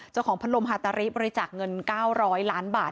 เจ้าของพัดลมฮาตาริบริจาคเงิน๙๐๐ล้านบาท